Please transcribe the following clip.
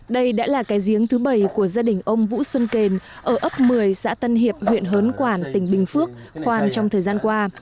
đây đã là cái giếng thứ bảy của gia đình ông vũ xuân kề ở ấp một mươi xã tân hiệp huyện hớn quản tỉnh bình phước khoan trong thời gian qua